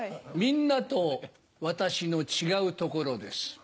みんなと私の違うところです。